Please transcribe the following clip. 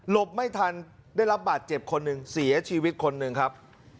ไม่ทันได้รับบาดเจ็บคนหนึ่งเสียชีวิตคนหนึ่งครับ